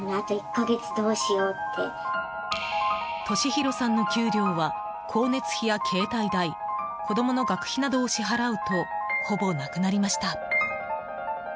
敏広さんの給料は光熱費や携帯代子供の学費などを支払うとほぼなくなりました。